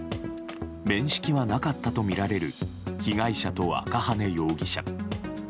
面識はなかったとみられる被害者と赤羽容疑者。